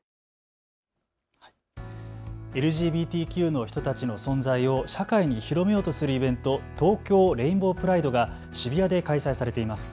ＬＧＢＴＱの人たちの存在を社会に広めようとするイベント、東京レインボープライドが渋谷で開催されています。